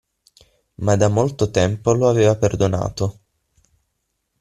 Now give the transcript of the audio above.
Ma da molto tempo lo aveva perdonato.